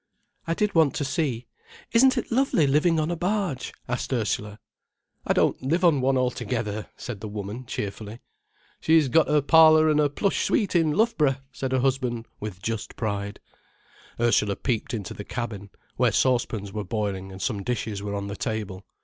"I did want to see. Isn't it lovely living on a barge?" asked Ursula. "I don't live on one altogether," said the woman cheerfully. "She's got her parlour an' her plush suite in Loughborough," said her husband with just pride. Ursula peeped into the cabin, where saucepans were boiling and some dishes were on the table.